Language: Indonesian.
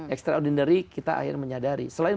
extraordinary kita akhirnya menyadari selain